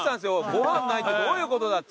ご飯ないってどういうことだっつって。